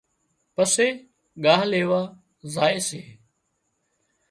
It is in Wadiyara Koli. پسي ڳاهَ ليوا زائي سي۔